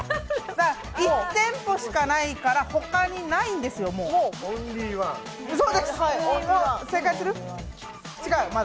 １店舗しかないから他にないんですよ、もう。